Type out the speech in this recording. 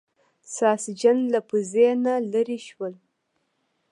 ساسچن له پوزې نه لرې شول.